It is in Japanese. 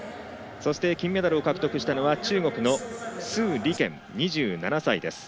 そして金メダルを獲得したのが中国の鄒莉娟、２７歳です。